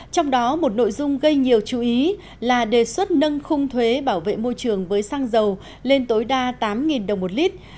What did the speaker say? trong đó một nội dung gây nhiều chú ý là đề xuất nâng khung thuế bảo vệ môi trường với xăng dầu lên tối đa tám đồng một lít